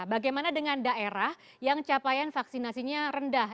bagaimana dengan daerah yang capaian vaksinasinya rendah